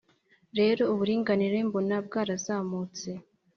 rero, uburinganire mbona bwarazamutse